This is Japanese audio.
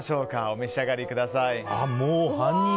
お召し上がりください。